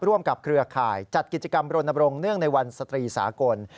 กับเครือข่ายจัดกิจกรรมรณบรงคเนื่องในวันสตรีสากล